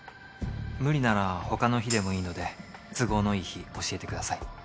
無理なら他の日でもいいので都合のいい日教えてください。